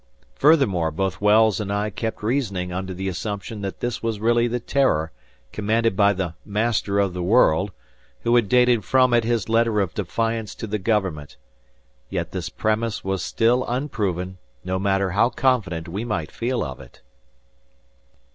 Furthermore both Wells and I kept reasoning under the assumption that this was really the "Terror" commanded by the "Master of the World" who had dated from it his letter of defiance to the government. Yet this premise was still unproven, no matter how confident we might feel of it.